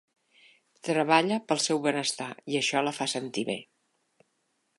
Treballa pel seu benestar i això la fa sentir bé.